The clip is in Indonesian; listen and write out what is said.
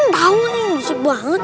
tau nih musib banget